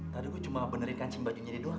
tadi gue cuma benerin kancing bajunya dia doang